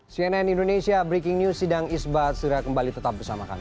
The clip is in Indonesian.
cnn indonesia breaking news sidang isbat sudah kembali tetap bersama kami